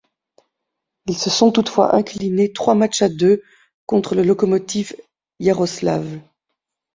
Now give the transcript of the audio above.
Ils se font toutefois inclinés trois matchs à deux contre le Lokomotiv Iaroslavl.